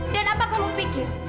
dan apa kamu pikir